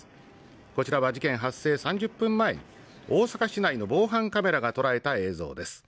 こちらは事件発生３０分前大阪市内の防犯カメラが捉えた映像です